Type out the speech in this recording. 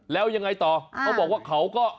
แล้วยังไงต่อเขาบอกว่าเขาก็